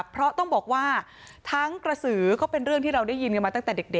เพราะต้องบอกว่าทั้งกระสือก็เป็นเรื่องที่เราได้ยินกันมาตั้งแต่เด็ก